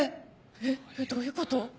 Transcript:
えっどういうこと？